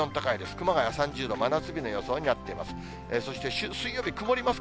熊谷３０度、真夏日の予想になっています。